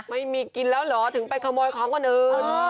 ไม่มีกินแล้วเหรอถึงไปขโมยของคนอื่น